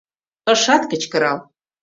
Ышат кычкырал.